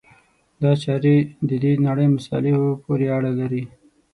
دا چارې د دې نړۍ مصالحو پورې اړه لري.